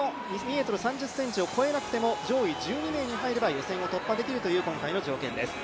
２ｍ３０ｃｍを超えなくても上位１２名に入れば予選を突破できるという今回の条件です。